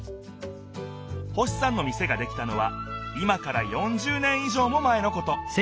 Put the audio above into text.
星さんの店ができたのは今から４０年い上も前のこと。